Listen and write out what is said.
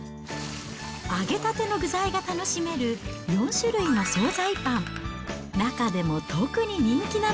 揚げたての具材が楽しめる４種類の総菜パン。